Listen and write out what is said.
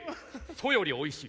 蘇よりおいしい。